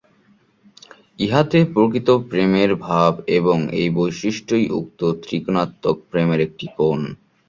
ইহাতে প্রকৃত প্রেমের ভাব, এবং এই বৈশিষ্ট্যই উক্ত ত্রিকোণাত্মক প্রেমের একটি কোণ।